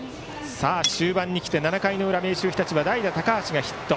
終盤に来て７回の裏明秀日立は代打、高橋がヒット。